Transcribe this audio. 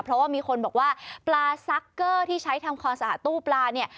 เพราะว่ามีคนบอกว่าปลาซักเกอร์ที่ใช้ทำความสะอาดตู้ปลาเนี่ย